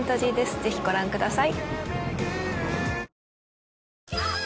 ぜひご覧ください。